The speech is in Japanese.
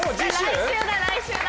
来週だ来週だ